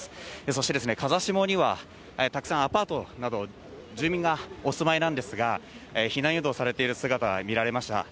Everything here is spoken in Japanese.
そして、風下にはたくさんアパートなど、住民がお住まいなんですが、避難誘導されている姿が見られました。